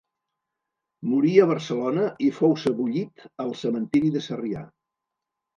Morí a Barcelona i fou sebollit al Cementiri de Sarrià.